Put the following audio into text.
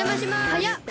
はやっ！